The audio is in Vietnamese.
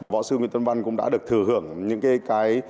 võ sư nguyễn tân văn cũng đã được thừa hưởng những cái